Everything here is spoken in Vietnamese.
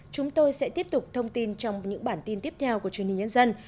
chúng tôi sẽ tiếp tục thông tin trong những bản tin tiếp theo của truyền hình nhân dân